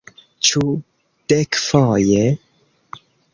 Ĉu dekfoje?